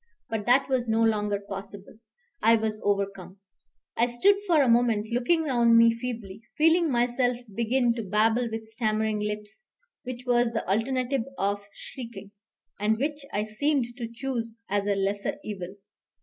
But that was no longer possible; I was overcome. I stood for a moment looking round me feebly, feeling myself begin to babble with stammering lips, which was the alternative of shrieking, and which I seemed to choose as a lesser evil.